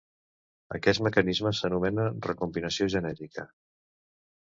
Aquest mecanisme s'anomena recombinació genètica.